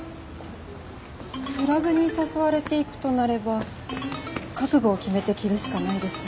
クラブに誘われて行くとなれば覚悟を決めて着るしかないです。